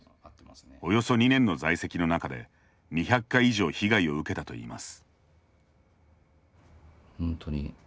およそ２年の在籍の中で２００回以上被害を受けたといいます。